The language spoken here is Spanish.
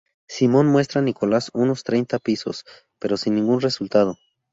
Simon muestra a Nicolas unos treinta pisos, pero sin ningún resultado.